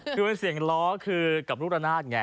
คือเป็นเสียงล้อคือกับลูกระนาดไง